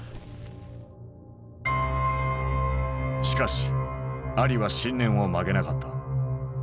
しかしアリは信念を曲げなかった。